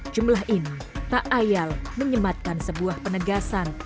jumlah ini tak ayal menyematkan sebuah penegasan